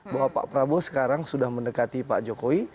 bahwa pak prabowo sekarang sudah mendekati pak jokowi